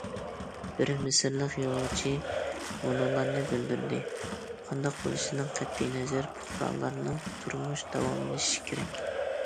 بىر مىسىرلىق يولۇچى مۇنۇلارنى بىلدۈردى: قانداق بولۇشىدىن قەتئىي نەزەر، پۇقرالارنىڭ تۇرمۇشى داۋاملىشىشى كېرەك.